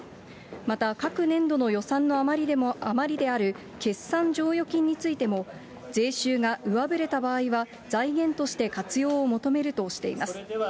また各年度の予算の余りである決算剰余金についても、税収が上振れた場合は、財源として活用を求めるとしています。